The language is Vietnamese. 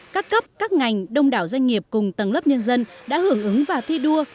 các cấp các ngành đông đảo doanh nghiệp cùng tầng lớp nhân dân đã hưởng ứng và thi đua